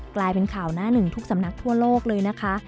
กลายเป็นข่าวหน้าหนึ่งทุกสำนักทั่วโลกเลยนะคะ